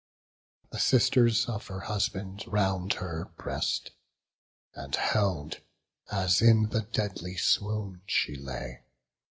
The sisters of her husband round her press'd, And held, as in the deadly swoon she lay.